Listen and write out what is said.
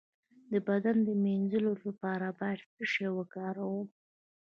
د بدن د مینځلو لپاره باید څه شی وکاروم؟